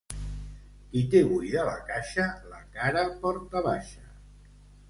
Qui té buida la caixa la cara porta baixa.